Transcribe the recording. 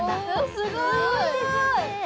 すごい！